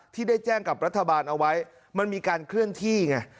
ที่ได้แจ้งกับรัฐบาลเอาไว้มันมีการเคลื่อนที่ไง